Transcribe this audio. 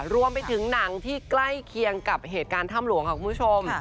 รวมไปถึงหนังที่ใกล้เคียงกับเหตุการณ์ถ้ำหลวงค่ะคุณผู้ชม